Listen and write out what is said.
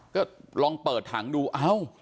ก็ลองเปิดถังดูเอ้า